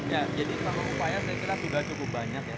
ya jadi kalau upaya saya kira sudah cukup banyak ya